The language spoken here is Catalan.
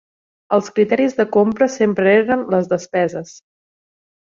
Els criteris de compra sempre eren les despeses.